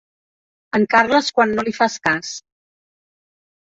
En Carles quan no li fas cas.